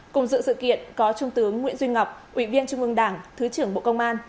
cùng dự sự kiện có trung tướng nguyễn duy ngọc ủy viên trung ương đảng thứ trưởng bộ công an